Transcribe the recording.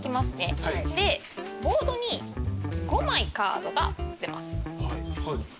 でボードに５枚カードが出ます。